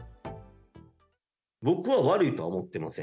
僕は悪いとは思ってません。